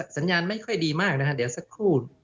สัญญาณไม่ค่อยดีมากนะฮะเดี๋ยวสักครู่